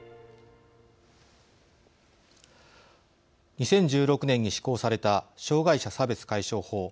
２０１６年に施行された障害者差別解消法。